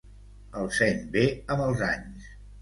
El seny ve amb els anys.